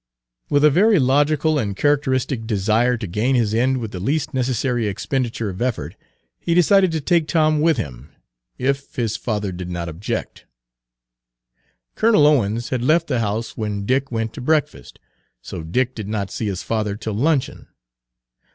With a very logical and characteristic desire to gain his end with the least necessary expenditure of effort, he decided to take Tom with him, if his father did not object. Colonel Owens had left the house when Dick went to breakfast, so Dick did not see his father till luncheon.